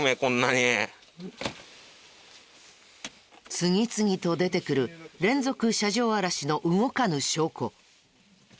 次々と出てくる連続車上荒らしの動かぬ証拠。